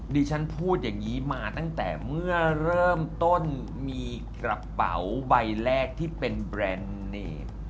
ดิฉันพูดอย่างนี้มาตั้งแต่เมื่อเริ่มต้นมีกระเป๋าใบแรกที่เป็นแบรนด์เนม